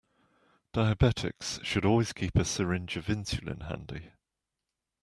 Diabetics should always keep a syringe of insulin handy.